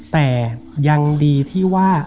แต่ยังดีที่ว่า